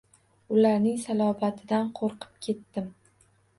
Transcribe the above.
Ularning salobatidan qoʻrqib ketdim